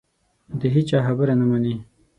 د هېچا خبره نه مني